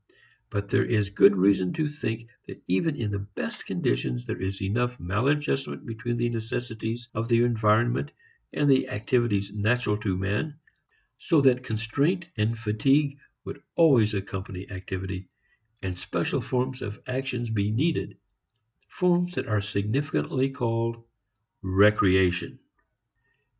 But there is good reason to think that even in the best conditions there is enough maladjustment between the necessities of the environment and the activities "natural" to man, so that constraint and fatigue would always accompany activity, and special forms of action be needed forms that are significantly called re creation.